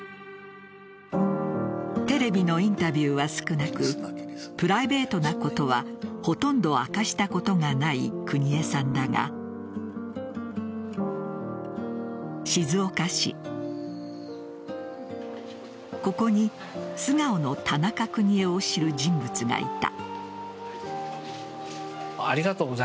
テレビのインタビューは少なくプライベートなことはほとんど明かしたことがない邦衛さんだが静岡市ここに素顔の田中邦衛を知る人物がいた。